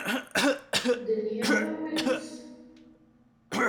Ur d-tenni ara awal-is.